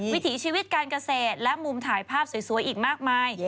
วิถีชีวิตการเกษตรและมุมถ่ายภาพสวยอีกมากมาย